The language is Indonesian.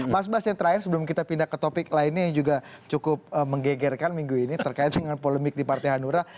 mas bas yang terakhir sebelum kita pindah ke topik lainnya yang juga cukup menggegerkan minggu ini terkait dengan polemik di partai hanura